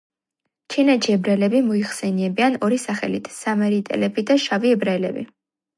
ჩინეთში ებრაელები მოიხსენიებიან ორი სახელით სამარიტელები და „შავი ებრაელები“.